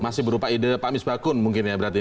masih berupa ide pak misbakun mungkin ya berarti